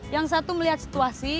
yang satu melihat situasi